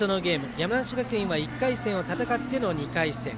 山梨学院は１回戦を戦っての２回戦。